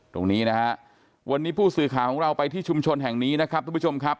ตรงนี้นะฮะวันนี้ผู้สื่อข่าวของเราไปที่ชุมชนแห่งนี้นะครับทุกผู้ชมครับ